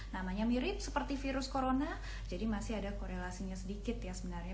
namanya mirip seperti virus corona jadi masih ada korelasinya sedikit ya sebenarnya